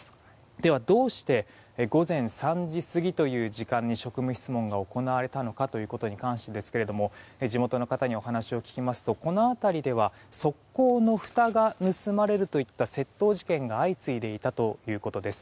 では、どうして午前３時過ぎという時間に職務質問が行われたのかということに関してですが地元の方にお話を聞きますとこの辺りでは側溝のふたが盗まれるといった窃盗事件が相次いでいたということです。